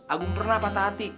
agung pernah patah hati